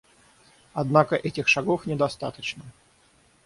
Однако этих шагов недостаточно.